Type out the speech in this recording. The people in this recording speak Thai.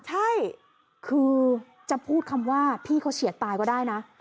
ใช่คือจะพูดคำว่าพี่เขาเฉียดตายก็ได้นะ